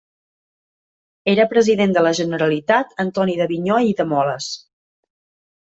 Era President de la Generalitat Antoni d'Avinyó i de Moles.